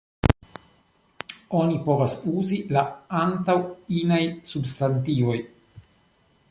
Oni povas uzi La antaŭ inaj substantivoj.